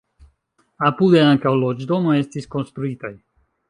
Apude ankaŭ loĝdomoj estis konstruitaj.